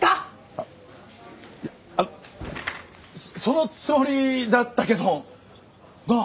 あのいやあのそのつもりだったけどなあ？